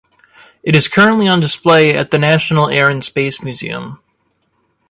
It is currently on display at the National Air and Space Museum.